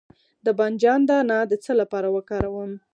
د بانجان دانه د څه لپاره وکاروم؟